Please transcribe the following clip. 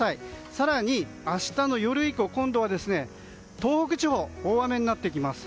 更に明日の夜以降今度は東北地方大雨になってきます。